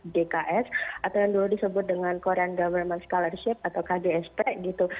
dks atau yang dulu disebut dengan korean government scolorship atau kgsp gitu